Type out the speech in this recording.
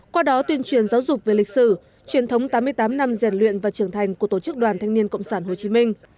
qua đó tuyên truyền giáo dục về lịch sử truyền thống tám mươi tám năm rèn luyện và trưởng thành của tổ chức đoàn thanh niên cộng sản hồ chí minh